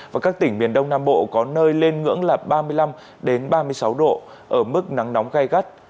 và các tỉnh miền đông nam bộ có nơi lên ngưỡng là ba mươi năm ba mươi sáu độ ở mức nắng nóng gai gắt